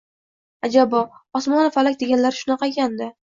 — Ajabo, Osmonu Falak deganlari shunaqa ekan-da